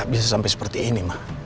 bisa sampai seperti ini